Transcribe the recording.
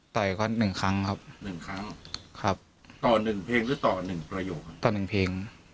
ต่อหนึ่งเพลง